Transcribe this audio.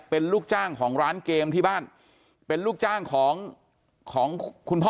เป็นลูกจ้างของร้านเกมที่บ้านเป็นลูกจ้างของของคุณพ่อ